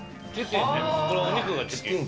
このお肉がチキン。